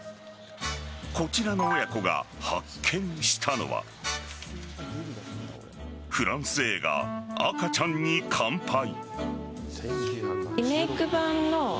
こちらの親子が発見したのはフランス映画「赤ちゃんに乾杯！」